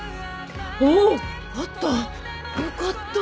おお！あった。